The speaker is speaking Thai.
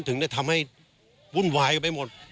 ถึงได้ทำให้วุ่นวายไปหมด